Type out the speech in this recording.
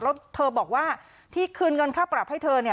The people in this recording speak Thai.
แล้วเธอบอกว่าที่คืนเงินค่าปรับให้เธอเนี่ย